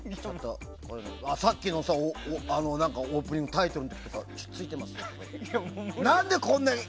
さっきのさ、オープニングのタイトルの時とかにちょっとついてます